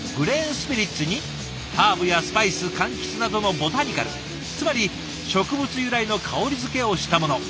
スピリッツにハーブやスパイス柑橘などのボタニカルつまり植物由来の香りづけをしたもの。